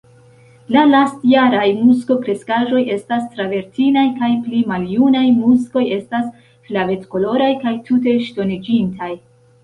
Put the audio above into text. La lastjaraj muskokreskaĵoj estas travertinaj, kaj pli maljunaj muskoj estas flavetkoloraj kaj tute ŝtoniĝintaj.